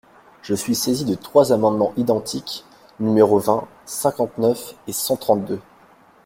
Je suis saisi de trois amendements identiques, numéros vingt, cinquante-neuf et cent trente-deux.